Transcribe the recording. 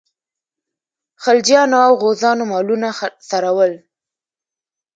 خلجیانو او غوزانو مالونه څرول.